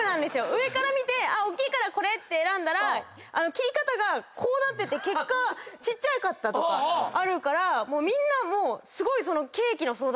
上から見て大きいからこれって選んだら切り方がこうなってて結果ちっちゃかったとかあるからみんなもうすごい。